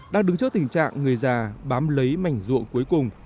đang đứng trước tình trạng người già bám lấy mảnh ruộng cuối cùng